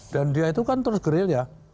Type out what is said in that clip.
dan dia itu kan terus geril ya